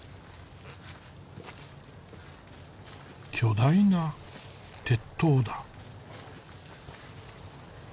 巨大な鉄塔だ。